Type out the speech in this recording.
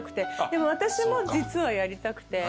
でも私も実はやりたくて。